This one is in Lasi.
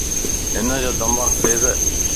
ھنجو دماغ تيز ا